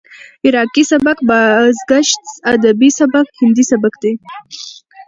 عراقي سبک، بازګشت ادبي سبک، هندي سبک دى.